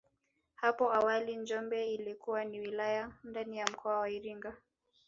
Hapo awali Njombe ilikuwa ni wilaya ndani ya mkoa wa Iringa